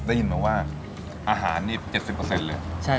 ได้ยินมาว่าอาหารนี่๗๐เลย